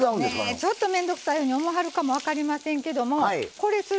ちょっと面倒くさいように思わはるかもわかりませんけどこれする